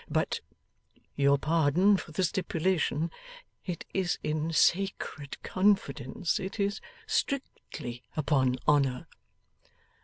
But (your pardon for the stipulation) it is in sacred confidence; it is strictly upon honour.